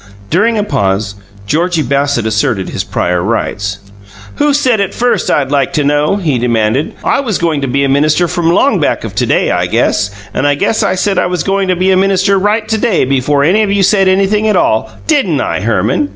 During a pause, Georgie Bassett asserted his prior rights. "Who said it first, I'd like to know?" he demanded. "I was going to be a minister from long back of to day, I guess. And I guess I said I was going to be a minister right to day before any of you said anything at all. DIDN'T I, Herman?